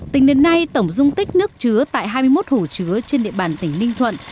tình nền này tổng dung tích nước chứa tại hai mươi một hồ chứa trên địa bàn tỉnh ninh thuận